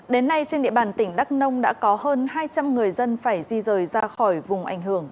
đến nay trên địa bàn tỉnh đắk nông đã có hơn hai trăm linh người dân phải di rời ra khỏi vùng ảnh hưởng